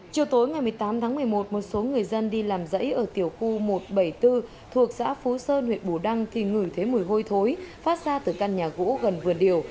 chiều tối ngày một mươi tám tháng một mươi một một số người dân đi làm dãy ở tiểu khu một trăm bảy mươi bốn thuộc xã phú sơn huyện bù đăng thì ngửi thấy mùi hôi thối phát ra từ căn nhà gỗ gần vườn điều